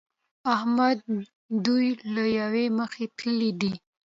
احمد دوی له يوې مخې تللي دي.